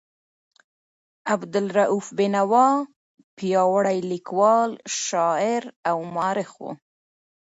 عبدالرؤف بېنوا پیاوړی لیکوال، شاعر او مورخ و.